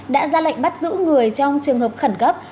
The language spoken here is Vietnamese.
đã ra lệnh bắt giữ người trong trường hợp khẩn cấp